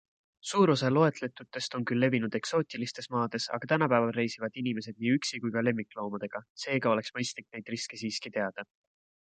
Suur osa loetletutest on küll levinud eksootilistes maades, aga tänapäeval reisivad inimesed nii üksi kui lemmikloomadega, seega oleks mõistlik neid riske siiski teada.